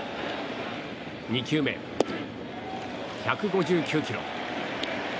２球目、１５９キロ。